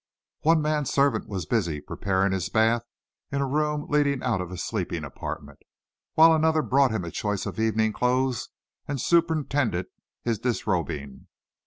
One man servant was busy preparing his bath in a room leading out of his sleeping apartment, while another brought him a choice of evening clothes and superintended his disrobing.